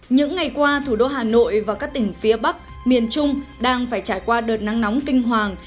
những ngày qua thủ đô hà nội và các tỉnh phía bắc miền trung đang phải trải qua đợt nắng nóng kinh hoàng